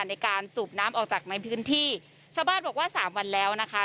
ในการสูบน้ำออกจากในพื้นที่ชาวบ้านบอกว่าสามวันแล้วนะคะ